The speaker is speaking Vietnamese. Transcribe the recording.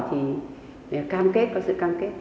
thì cam kết có sự cam kết